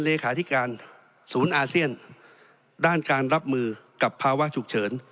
เลขาธิการศูนย์อาเซียนด้านการรับมือกับภาวะฉุกเฉิน